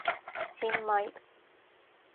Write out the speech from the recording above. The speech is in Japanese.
新米